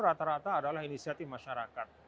sebuah kata adalah inisiatif masyarakat